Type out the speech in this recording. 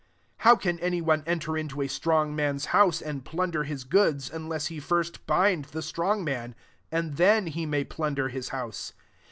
29 " How can any one enter into a strong man's house, and plunder his goods, unless he first bind the strong man ? and then he may plunder his house.